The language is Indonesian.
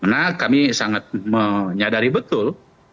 karena kami sangat menyadari betul